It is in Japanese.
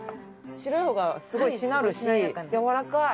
白い方がすごいしなるしやわらかい。